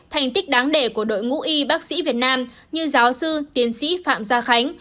thành tích đáng để của đội ngũ y bác sĩ việt nam như giáo sư tiến sĩ phạm gia khánh